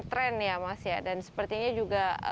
trend ya mas ya dan sepertinya juga